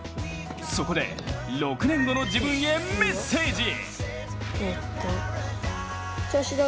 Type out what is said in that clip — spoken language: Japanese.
そこで、６年後の自分へメッセージ。